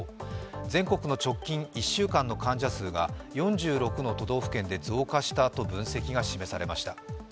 全国の直近１週間の患者数が４６の都道府県で増加したと分析が示されました。